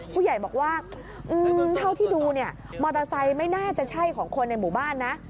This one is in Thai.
ผู้ใหญ่บอกว่าเท่าที่ดูเนี่ยมอเตอร์ไซค์ไม่น่าจะใช่ของคนในหมู่บ้านนะ